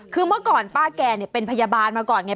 คือเมื่อก่อนป้าแกเป็นพยาบาลมาก่อนไง